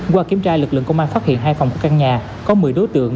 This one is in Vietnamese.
qua kiểm tra lực lượng công an phát hiện hai phòng của căn nhà có một mươi đối tượng